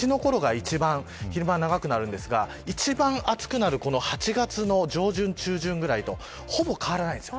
ちょうど６月２０日前後の夏至のころが一番昼間が長くなるんですが一番暑くなる８月の上旬、中旬ぐらいとほぼ変わらないんです。